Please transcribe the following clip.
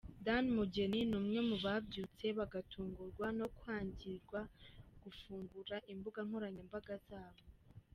Dan Mugeni ni umwe mu babyutse bagatungurwa no kwangirwa gufungura imbuga nkoranyambaga zabo.